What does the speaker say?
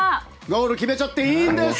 ゴール決めちゃっていいんです！